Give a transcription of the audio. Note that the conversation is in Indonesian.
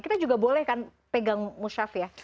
kita juga boleh kan pegang musyaf ya